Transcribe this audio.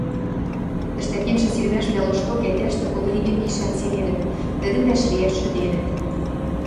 Тӹштӓкеншӹ сирмӓшвлӓ лошток ӓтяштӹ Ковригин гишӓн сиренӹт, тӹдӹм вӓшлиӓш шӱденӹт...